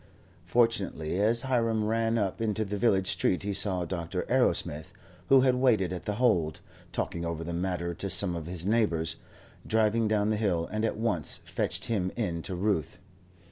Fortunately as Hiram ran up into the village street he saw Dr. Arrowsmith who had waited at The Hold, talking over the matter to some of his neighbours driving down the hill, and at once fetched him in to Ruth.